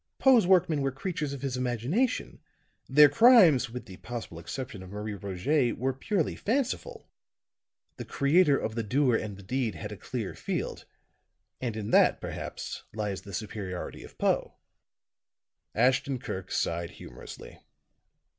Poe's workmen were creatures of his imagination, their crimes, with the possible exception of 'Marie Roget,' were purely fanciful. The creator of the doer and the deed had a clear field; and in that, perhaps, lies the superiority of Poe." Ashton Kirk sighed humorously.